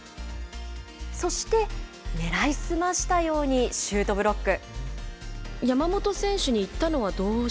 そして狙い澄ましたようにシュートブロック。